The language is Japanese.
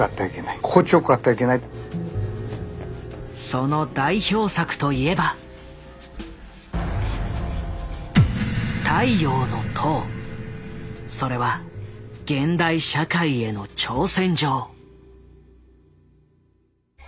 その代表作といえばそれは現代社会への挑戦状。